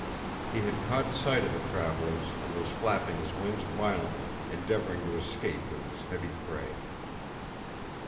He had caught sight of the travelers, and was flapping his wings violently, endeavoring to escape with his heavy prey.